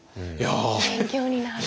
勉強になる。